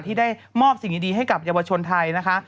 ที่ได้มอบสิ่งดีให้กับเยาวชนไทยนะคะ